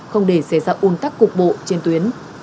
không để xảy ra un tắc cục bộ trên tuyến